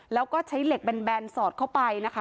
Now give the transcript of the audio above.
แล้วก็ใช้เหล็กแบนสอดเข้าไปนะคะ